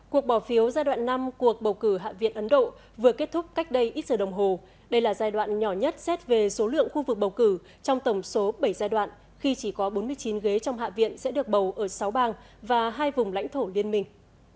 cuộc bỏ phiếu giai đoạn năm cuộc bầu cử hạ viện ấn độ vừa kết thúc cách đây ít giờ đồng hồ đây là giai đoạn nhỏ nhất xét về số lượng khu vực bầu cử trong tổng số bảy giai đoạn khi chỉ có bốn mươi chín ghế trong hạ viện sẽ được bầu ở sáu bang và hai vùng lãnh thổ liên minh